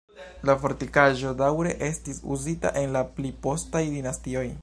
La fortikaĵo daŭre estis uzita en la pli postaj dinastioj.